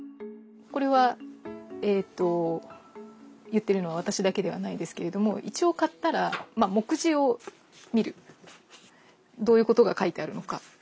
これは言ってるのは私だけではないですけれども一応買ったらどういうことが書いてあるのか。